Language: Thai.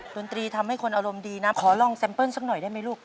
ดนตรีทำให้คนอารมณ์ดีนะขอลองแซมเปิ้ลสักหน่อยได้ไหมลูก